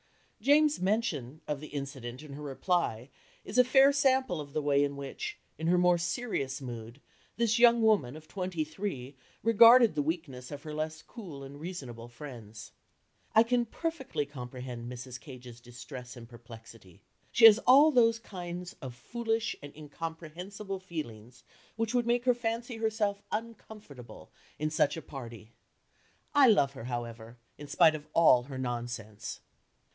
Jane's mention of the incident in her reply is a fair sample of the way in which, in her more serious mood, this young woman of twenty three regarded the weakness of her less cool and reasonable friends: "I can perfectly comprehend Mrs. Cage's distress and perplexity. She has all those kind of foolish and incomprehensible feelings which would make her fancy herself uncomfortable in such a party. I love her, however, in spite of all her nonsense."